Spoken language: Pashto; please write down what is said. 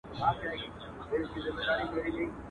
سترګي دي ډکي توپنچې دي.